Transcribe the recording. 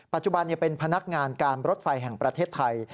ปัจจุบันเป็นพนักงานการรถไฟแห่งประเทศไทย